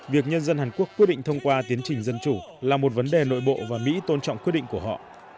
việc nhân dân hàn quốc quyết định thông qua tiến trình dân chủ là một vấn đề nội bộ và mỹ tôn trọng quyết định của họ